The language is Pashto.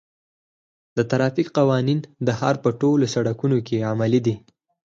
د ترافیک قوانین د ښار په ټولو سړکونو کې عملي دي.